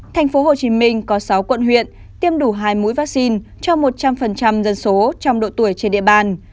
tp hcm có sáu quận huyện tiêm đủ hai mũi vaccine cho một trăm linh dân số trong độ tuổi trên địa bàn